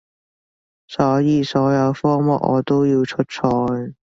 所以所有科目我都要出賽